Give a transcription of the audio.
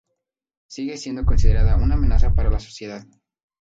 Sigue siendo considerada "una amenaza para la sociedad".